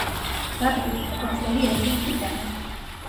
სადგურს შესასვლელი ერთი მხრიდან აქვს.